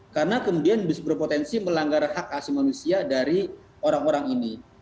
karena kemudian berpotensi melanggar hak asli manusia dari orang orang ini